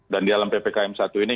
dan di dalam ppkm satu ini